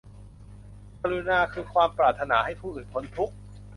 กรุณาคือความปรารถนาให้ผู้อื่นพ้นทุกข์